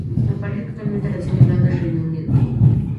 La pareja actualmente reside en Londres, Reino Unido.